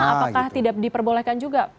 apakah tidak diperbolehkan juga